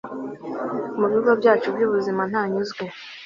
mu bigo byacu byubuzima ntanyuzwe